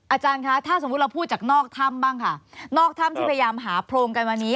อาจารย์คะถ้าสมมุติเราพูดจากนอกถ้ำบ้างค่ะนอกถ้ำที่พยายามหาโพรงกันวันนี้